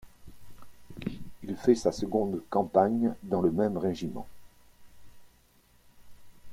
Il fait sa seconde campagne dans le même régiment.